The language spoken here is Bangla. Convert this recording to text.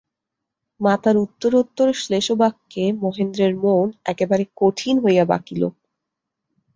মাতার উত্তরোত্তর শ্লেষবাক্যে মহেন্দ্রের মন একেবারে কঠিন হইয়া বাঁকিল।